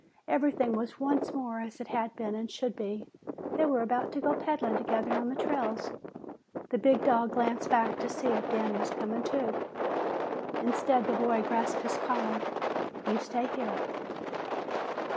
Everything was once more as it had been and should be. They were about to go peddling together on the trails. The big dog glanced back to see if Dan was coming, too. Instead, the boy grasped his collar. "You stay here."